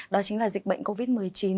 đó chính là dịch bệnh covid một mươi chín